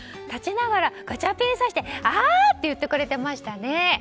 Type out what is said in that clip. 経ちながらガチャピンを指してあー！って言ってくれてましたね。